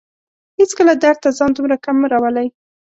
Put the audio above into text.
هيڅکله درد ته ځان دومره کم مه راولئ